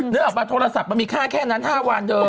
นึกออกมาโทรศัพท์มันมีค่าแค่นั้น๕วันเดิม